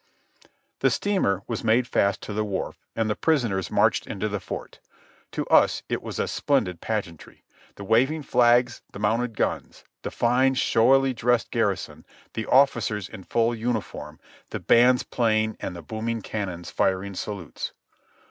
The steamer was made fast to the wharf and the prisoners marched into the fort. To us it was a splendid pageantry, the waving flags, the mounted guns, the fine, showily dressed garrison, the officers in full uniform, the bands playing and the booming cannons firing salutes.